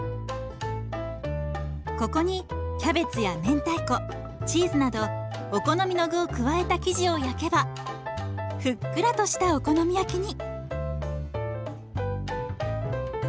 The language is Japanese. ここにキャベツや明太子チーズなどお好みの具を加えた生地を焼けばふっくらとしたお好み焼きに！